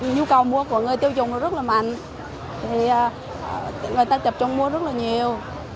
nhu cầu mua của người tiêu dùng rất là mạnh người ta chập trung mua rất là nhiều